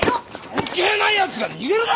関係ない奴が逃げるか！